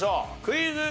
クイズ。